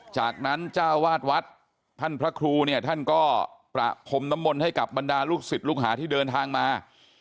จากนั้นเจ้าวาดวัดท่านพระครูเนี่ยท่านก็ประพรมน้ำมนต์ให้กับบรรดาลูกศิษย์ลูกหาที่เดินทางมา